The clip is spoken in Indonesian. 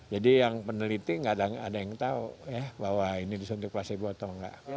jadi yang peneliti nggak ada yang tahu ya bahwa ini disuntik placebo atau nggak